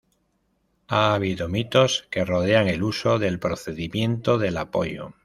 Ha habido mitos que rodean el uso del procedimiento del apoyo.